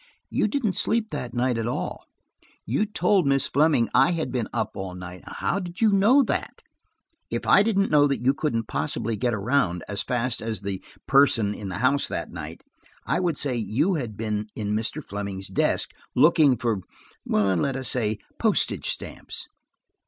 You didn't sleep that night, at all; you told Miss Fleming I had been up all night. How did you know that? If I didn't know that you couldn't possibly get around as fast as the–person in the house that night, I would say you had been in Mr. Fleming's desk, looking for–let us say, postage stamps.